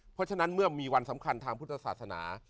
เพราะฉะนั้นเมื่อมีวันสำคัญทางพุทธศาสนา